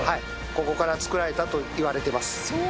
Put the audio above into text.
ここから作られたといわれています。